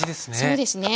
そうですね。